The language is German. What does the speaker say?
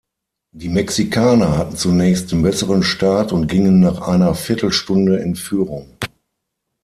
Die Mexikaner hatten zunächst den besseren Start und gingen nach einer Viertelstunde in Führung.